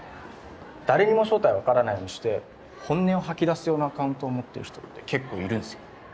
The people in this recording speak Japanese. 誰にも正体を分からないようにして本音を吐き出す用のアカウントを持ってる人って結構いるんすよ。